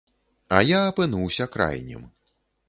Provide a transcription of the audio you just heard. А я апынуўся крайнім.